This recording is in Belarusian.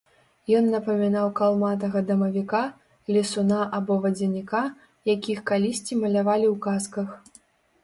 Ён напамінаў калматага дамавіка, лесуна або вадзяніка, якіх калісьці малявалі ў казках.